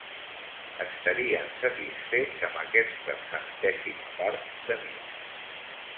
Estarien satisfets amb aquesta centèsima part de mi.